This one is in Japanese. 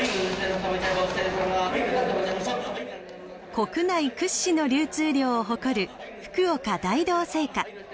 国内屈指の流通量を誇る福岡大同青果。